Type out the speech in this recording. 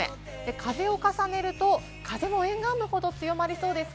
風を重ねると、風も沿岸部ほど強まりそうです。